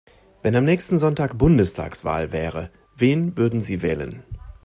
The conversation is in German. Wenn am nächsten Sonntag Bundestagswahl wäre, wen würden Sie wählen?